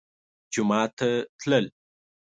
جومات ته تلل